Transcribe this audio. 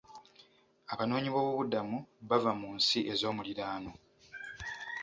Abanoonyiboobubudamu bava mu nsi ezoomuliraano.